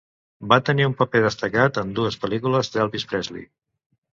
Va tenir un paper destacat en dues pel·lícules d'Elvis Presley.